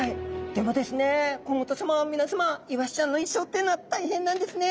でもですね甲本さま皆さまイワシちゃんの一生というのは大変なんですね。